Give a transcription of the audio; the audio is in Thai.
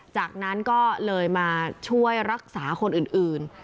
จากนั้นก็เลยมาช่วยรักษาคนอื่น